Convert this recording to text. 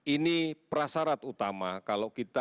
ini prasarat utama kalau kita